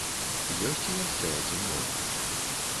Ёсць і яшчэ адзін момант.